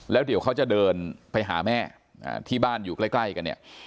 แล้วเดี๋ยวเขาจะเดินไปหาแม่ที่บ้านอยู่ใกล้กันเนี่ย